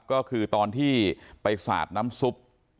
ก็คือตอนที่ไปสาดน้ำซุป